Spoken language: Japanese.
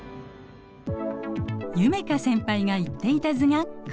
夢叶先輩が言っていた図がこれ。